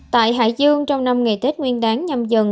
tại hải dương trong năm ngày tết nguyên đáng nhầm dần